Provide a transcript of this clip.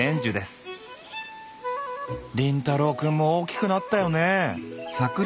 凛太郎くんも大きくなったよね！